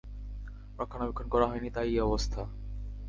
রক্ষণাবেক্ষণ করা হয়নি, তাই এই অবস্থা।